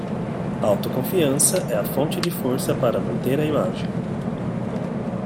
Autoconfiança é a fonte de força para manter a imagem